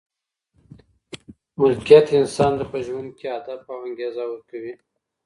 ملکیت انسان ته په ژوند کي هدف او انګېزه ورکوي.